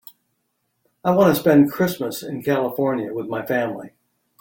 I want to spend Christmas in California with my family.